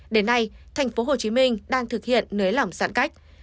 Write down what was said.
đến nay thành phố hồ chí minh đang thực hiện nới lỏng giãn cách